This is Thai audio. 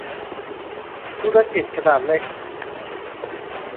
ธุรกิจขนาดเล็ก